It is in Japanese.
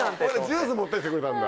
ジュース持ってきてくれたんだ。